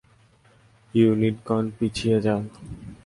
ইউনিটগণ, পিছিয়ে যান।